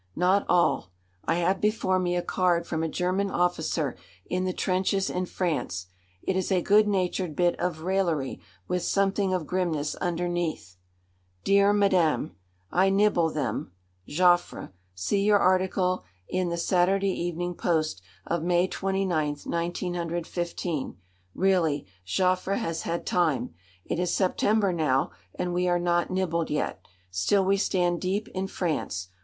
Not all. I have before me a card from a German officer in the trenches in France. It is a good natured bit of raillery, with something of grimness underneath. "Dear Madame: "'I nibble them' Joffre. See your article in the Saturday Evening Post of May 29th, 1915. Really, Joffre has had time! It is September now, and we are not nibbled yet. Still we stand deep in France.